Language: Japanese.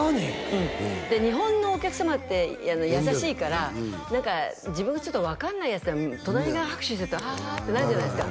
うん日本のお客様って優しいから何か自分がちょっと分かんないやつでも隣が拍手してたらはあってなるじゃないですか